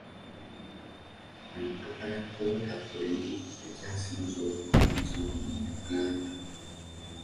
Emmotoka eya Toyota pulimo yekyasinziza obuganzi wano mu Uganda.